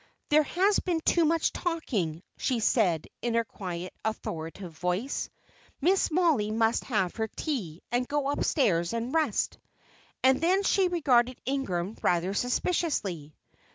"There has been too much talking," she said, in her quiet, authoritative voice. "Miss Mollie must have her tea, and go upstairs and rest." And then she regarded Ingram rather suspiciously.